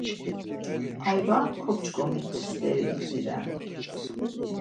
Ayva kop̌ç̌ǩomit steri idziren.